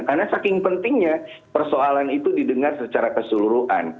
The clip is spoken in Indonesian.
karena saking pentingnya persoalan itu didengar secara keseluruhan